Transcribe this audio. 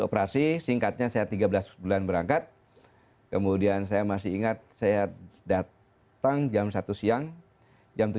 operasi singkatnya saya tiga belas bulan berangkat kemudian saya masih ingat saya datang jam satu siang jam tujuh